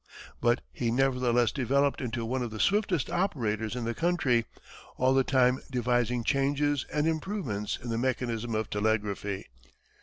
But he nevertheless developed into one of the swiftest operators in the country, all the time devising changes and improvements in the mechanism of telegraphy.